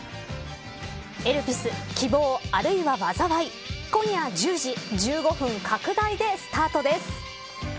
エルピス−希望、あるいは災い−今夜１０時１５分拡大でスタートです。